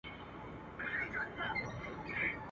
ته کم عقل ته کومول څومره ساده یې.